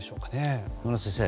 野村先生